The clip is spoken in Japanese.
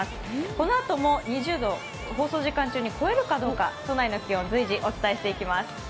このあとも２０度を放送時間中に超えるかどうか都内の気温随時お伝えしていきます。